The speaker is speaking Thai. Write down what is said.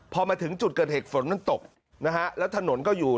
พอมาถึงจุดเกิดเหตุฝนตกและถนนก็อยู่